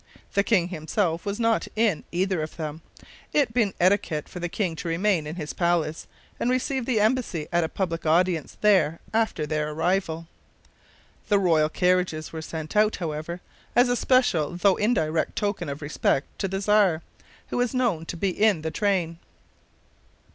The king himself was not in either of them, it being etiquette for the king to remain in his palace, and receive the embassy at a public audience there after their arrival. The royal carriages were sent out, however, as a special though indirect token of respect to the Czar, who was known to be in the train.